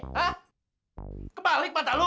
hah kebalik mata lu